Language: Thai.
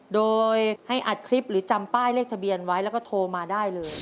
โดยให้อัดคลิปหรือจำป้ายเลขทะเบียนไว้แล้วก็โทรมาได้เลย